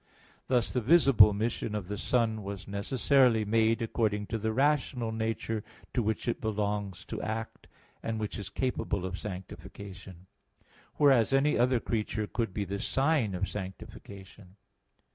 Thus the visible mission of the Son was necessarily made according to the rational nature to which it belongs to act, and which is capable of sanctification; whereas any other creature could be the sign of sanctification.